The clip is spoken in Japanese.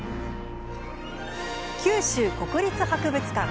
九州国立博物館。